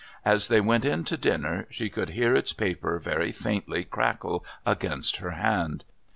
As they went in to dinner she could hear its paper very faintly crackle against her hand.